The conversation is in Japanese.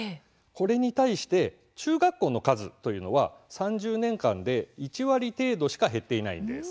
これに対して中学校の数というの３０年間で１割程度しか減っていないんです。